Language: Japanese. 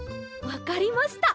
わかりました。